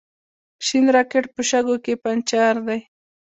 شین راکېټ په شګو کې پنجر دی.